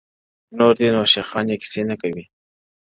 نور دي نو شېخاني كيسې نه كوي ـ